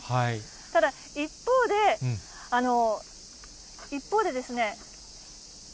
ただ、一方で、一方でですね。